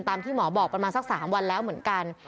ที่หมอบอกประมาณสัก๓วันแล้วเหมือนกัน